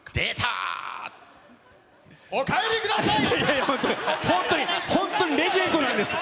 お帰りください！